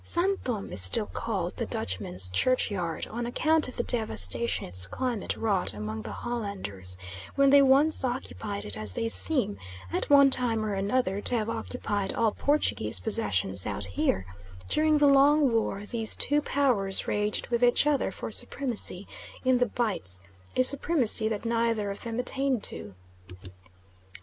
San Thome is still called "The Dutchman's Church yard," on account of the devastation its climate wrought among the Hollanders when they once occupied it; as they seem, at one time or another, to have occupied all Portuguese possessions out here, during the long war these two powers waged with each other for supremacy in the Bights, a supremacy that neither of them attained to.